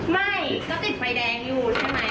แสดงว่าเรามีการคุยกันก่อนนะครับก่อนถึงละที